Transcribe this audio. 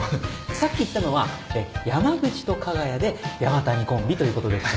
さっき言ったのは山口と加賀谷で山谷コンビということでして。